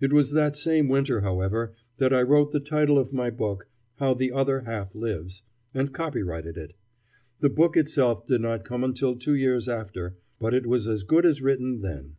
It was that same winter, however, that I wrote the title of my book, "How the Other Half Lives," and copyrighted it. The book itself did not come until two years after, but it was as good as written then.